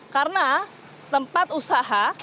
karena tempat usaha